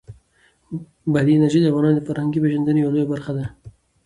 بادي انرژي د افغانانو د فرهنګي پیژندنې یوه لویه برخه ده.